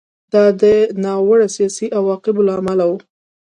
دا د ناوړه سیاسي عواقبو له امله و